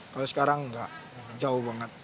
kalau sekarang nggak jauh banget